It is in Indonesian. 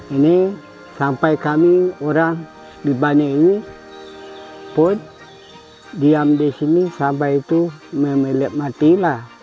ini sampai kami orang iban ini pun diam disini sampai itu memilik matilah